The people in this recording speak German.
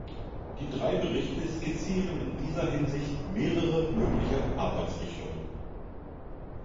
Die drei Berichte skizzieren in dieser Hinsicht mehrere mögliche Arbeitsrichtungen.